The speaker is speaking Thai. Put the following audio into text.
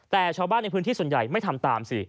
แต่ชาวบ้านในพื้นที่ส่วนใหญ่ไม่ทำตามสิ